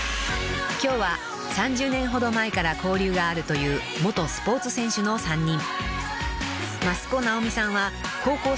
［今日は３０年ほど前から交流があるという元スポーツ選手の３人］